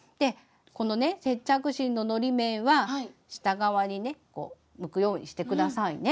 このね接着芯ののり面は下側にね向くようにして下さいね。